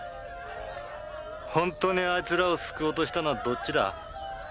本当にあいつらを救おうとしたのはどっちだ？